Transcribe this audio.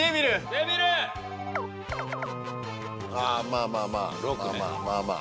ああまあまあまあ。